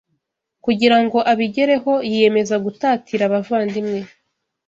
Kugirango abigereho, yiyemeza gutatira abavandimwe